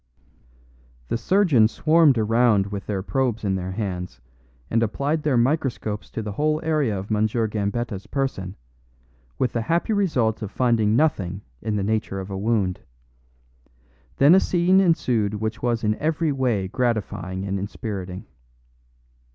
The surgeons swarmed around with their probes in their hands, and applied their microscopes to the whole area of M. Gambetta's person, with the happy result of finding nothing in the nature of a wound. Then a scene ensued which was in every way gratifying and inspiriting.